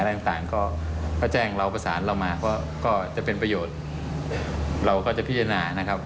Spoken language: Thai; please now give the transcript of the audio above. พี่น้องประชาชนที่มาซื้อหวยจากนายพีชนะครับ